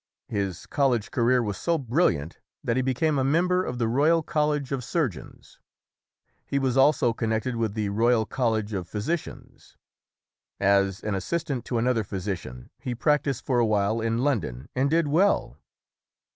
His col lege career was so brilliant that he became a mem ber of the Royal College of Surgeons. He was also connected with the Royal College of Physi cians. As an assistant to another physician, he practiced for a while in London and did well.